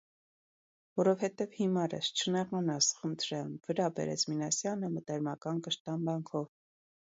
- Որովհետև հիմար ես, չնեղանաս, խնդրեմ,- վրա բերեց Մինասյանը մտերմական կշտամբանքով: